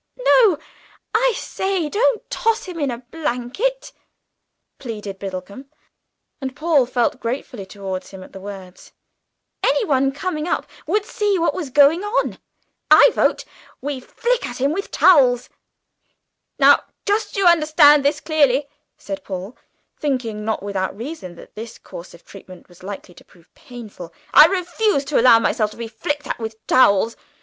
"No, I say, don't toss him in a blanket," pleaded Biddlecomb, and Paul felt gratefully towards him at the words; "anyone coming up would see what was going on. I vote we flick at him with towels." "Now just you understand this clearly," said Paul, thinking, not without reason, that this course of treatment was likely to prove painful; "I refuse to allow myself to be flicked at with towels.